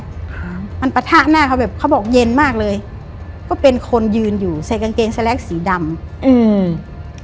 ครับมันปะทะหน้าเขาแบบเขาบอกเย็นมากเลยก็เป็นคนยืนอยู่ใส่กางเกงสแลกสีดำอืม